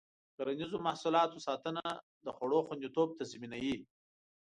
د کرنیزو محصولاتو ساتنه د خوړو خوندیتوب تضمینوي.